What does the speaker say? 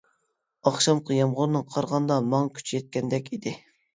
ئاخشامقى يامغۇرنىڭ قارىغاندا ماڭا كۈچى يەتكەندەك ئىدى.